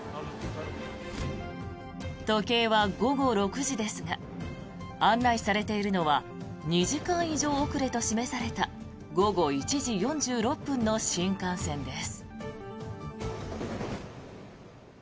時計は午後６時ですが案内されているのは２時間以上遅れと示された午後１時４６分の新幹線です。